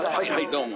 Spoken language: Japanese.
どうも。